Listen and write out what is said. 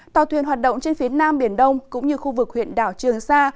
tàu thuyền hoạt động trên phía nam biển đông cũng như khu vực huyện đảo trường sa